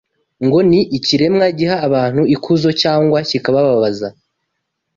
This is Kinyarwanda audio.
ngo ni ikiremwa giha abantu ikuzo cyangwa kikabababaza